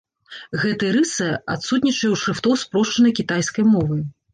Гэтай рыса адсутнічае ў шрыфтоў спрошчанай кітайскай мовы.